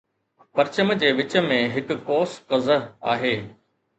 پرچم جي وچ ۾ هڪ قوس قزح آهي